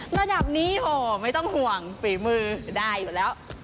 ระดับนี้โหไม่ต้องห่วงฝีมือได้อยู่แล้ว